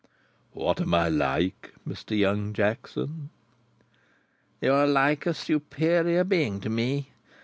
"What am I like, Mr. Young Jackson?" "You are like a Superior Being to me.